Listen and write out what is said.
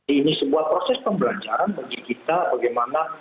ini sebuah proses pembelajaran bagi kita bagaimana transisi kebangunan nasional